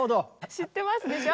知ってますでしょ？